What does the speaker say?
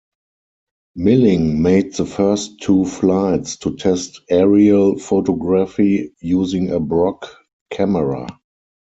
Milling made the first two flights to test aerial photography using a Brock camera.